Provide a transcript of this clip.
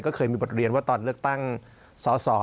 ก็เคยมีบทเรียนว่าตอนเลือกตั้งสอสอ